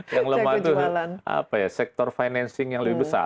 yang lemah itu sektor financing yang lebih besar